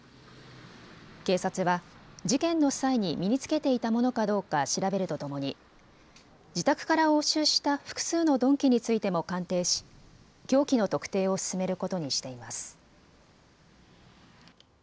警察は事件の際に身に着けていたものかどうか調べるとともに自宅から押収した複数の鈍器についても鑑定し凶器の特定を進めることにしています。